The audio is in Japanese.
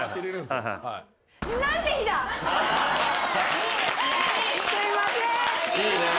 すいません。